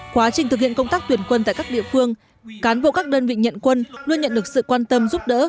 quá trình thực hiện công tác tuyển quân tại các địa phương cán bộ các đơn vị nhận quân luôn nhận được sự quan tâm giúp đỡ